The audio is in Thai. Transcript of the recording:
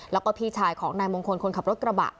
แล้วก็พี่ชายของนายมงคลคนขับรถกระบะ